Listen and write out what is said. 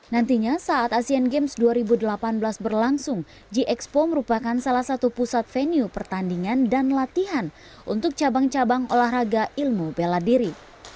nantinya saat asian games dua ribu delapan belas berlangsung g expo merupakan salah satu pusat venue pertandingan dan latihan untuk cabang cabang olahraga ilmu bela diri